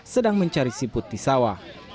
sedang mencari siput di sawah